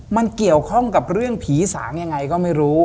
มันเกี่ยวข้องกับเรื่องผีสางยังไงก็ไม่รู้